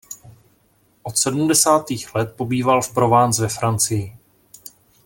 Od sedmdesátých let pobýval v Provence ve Francii.